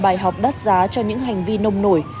bài học đắt giá cho những hành vi nông nổi